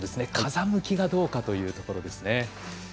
風向きがどうかというところですね。